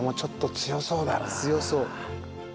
強そう。